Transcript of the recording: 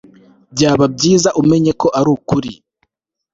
Byaba byiza umenye neza ko arukuri